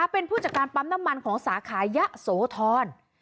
เป็นผู้จัดการปั๊มน้ำมันของสาขายะโสธร